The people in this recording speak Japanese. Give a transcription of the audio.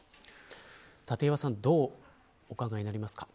立岩さんどうお考えになりますか。